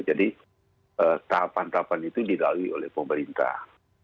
jadi tahapan tahapan itu diralui oleh pemerintah